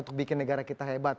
untuk bikin negara kita hebat